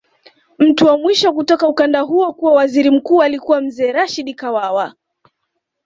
Mtu wa mwisho kutoka ukanda huo kuwa waziri mkuu alikuwa Mzee Rashid Kawawa